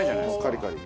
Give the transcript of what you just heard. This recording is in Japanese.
カリカリ。